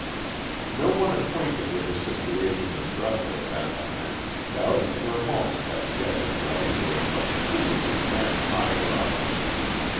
No one acquainted with the situation in Breathitt at that time doubted for a moment that Jett and White were but the tools of men higher up.